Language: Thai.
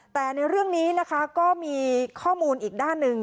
แต่ในเรื่องนี้นะคะก็มีข้อมูลอีกด้านหนึ่ง